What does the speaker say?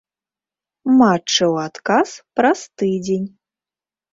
Матчы ў адказ праз тыдзень.